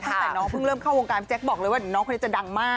ตั้งแต่น้องเพิ่งเริ่มเข้าวงการพี่แจ๊คบอกเลยว่าน้องคนนี้จะดังมาก